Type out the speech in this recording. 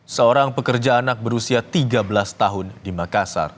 seorang pekerja anak berusia tiga belas tahun di makassar